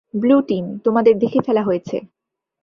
Blue team, তোমাদের দেখে ফেলা হয়েছে।